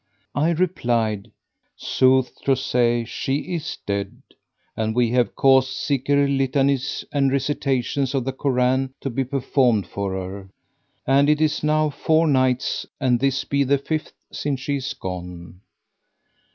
I replied, "Sooth to say she is dead, and we have caused Zikr litanies and recitations of the Koran to be performed for her; and it is now four nights and this be the fifth since she is gone."